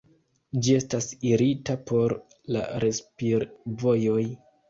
Ĝi estas irita por la respir-vojoj.